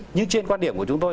nhưng trên quan điểm của chúng tôi